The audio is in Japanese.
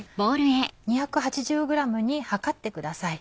２８０ｇに量ってください。